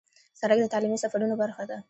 سړک د تعلیمي سفرونو برخه ده.